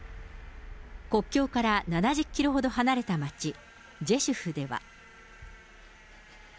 国境から７０キロほど離れた街、ジェシュフでは。